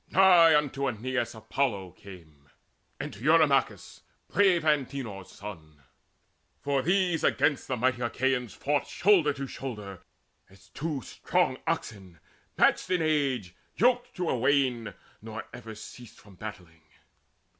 Nigh to Aeneas then Apollo came, And to Eurymachus, brave Antenor's son; For these against the mighty Achaeans fought Shoulder to shoulder, as two strong oxen, matched In age, yoked to a wain; nor ever ceased From battling.